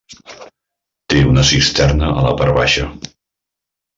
Té una cisterna a la part baixa.